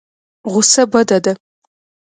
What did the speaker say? غوسه بده ده.